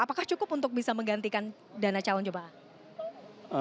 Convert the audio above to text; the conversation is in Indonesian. apakah cukup untuk bisa menggantikan dana calon jemaah